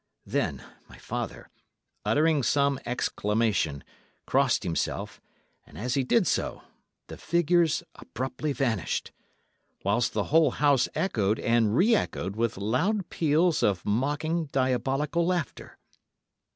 Then, my father, uttering some exclamation, crossed himself, and, as he did so, the figures abruptly vanished, whilst the whole house echoed and re echoed with loud peals of mocking, diabolical laughter.